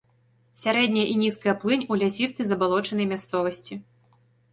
Сярэдняя і нізкая плынь ў лясістай забалочанай мясцовасці.